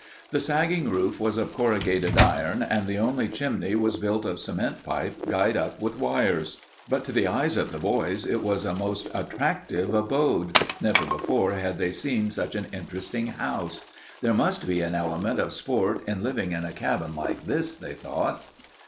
The sagging roof was of corrugated iron and the only chimney was built of cement pipe guyed up with wires. But to the eyes of the boys it was a most attractive abode. Never before had they seen such an interesting house. There must be an element of sport in living in a cabin like this, they thought.